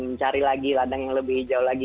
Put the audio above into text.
mencari lagi ladang yang lebih jauh lagi